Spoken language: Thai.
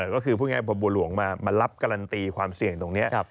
ก็คือถ้าบัวหลวงมารับการันตีความเสี่ยงนี้